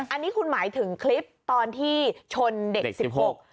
อันนี้คุณหมายถึงคลิปตอนที่ชนเด็กสิบหก